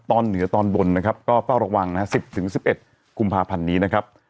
ตอนเหนือตอนบนนะครับก็เฝ้าระวังนะฮะ๑๐๑๑กุมภาพันธ์นี้นะครับ